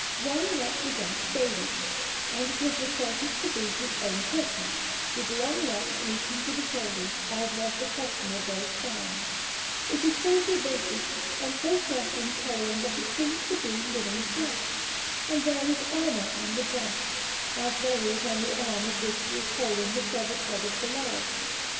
One represents David and it is reported to be his own portrait with long locks reaching to the shoulders, as was the custom of those times; it is so vivacious and so fresh in colouring that it seems to be living flesh, and there is armour on the breast, as there is on the arm with which he is holding the severed head of Goliath.